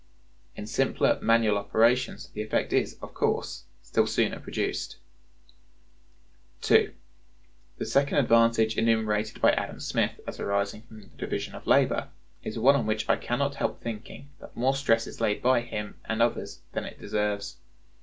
In simpler manual operations the effect is, of course, still sooner produced. (2.) The second advantage enumerated by Adam Smith as arising from the division of labor is one on which I can not help thinking that more stress is laid by him and others than it deserves.